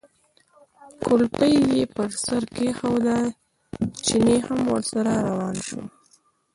کولپۍ یې پر سر کېښوده، چيني هم ورسره روان شو.